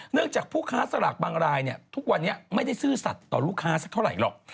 จากผู้ค้าสลากบางรายทุกวันนี้ไม่ได้ซื่อสัตว์ต่อลูกค้าสักเท่าไหร่หรอก